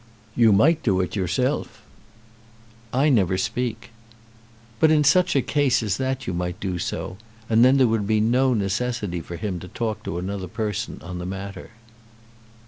"You might do it yourself." "I never speak." "But in such a case as that you might do so; and then there would be no necessity for him to talk to another person on the matter."